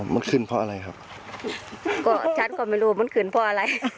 มันขึ้นเพราะอะไรครับก็ฉันก็ไม่รู้มันขึ้นเพราะอะไร